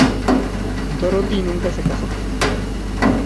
Dorothy nunca se casó.